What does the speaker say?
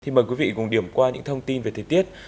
thì mời quý vị cùng điểm qua những thông tin về thời tiết